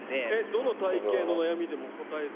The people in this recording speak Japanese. どの体形の悩みでも応えて。